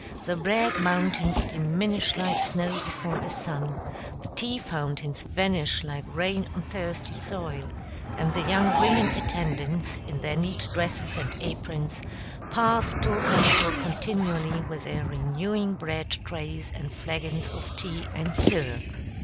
the bread mountains diminish like snow before the sun, the tea fountains vanish like rain on thirsty soil, and the young women attendants, in their neat dresses and aprons, pass to and fro continually with their renewing bread trays and flagons of tea and syrup.